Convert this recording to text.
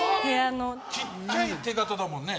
ちっちゃい手形だもんね？